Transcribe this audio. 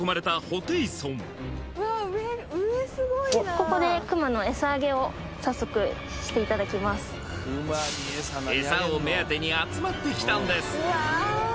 ホテイソンここでエサを目当てに集まってきたんです